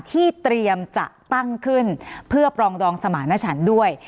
ที่เตรียมจะตั้งขึ้นเพื่อปรองดองสมารณชันด้วย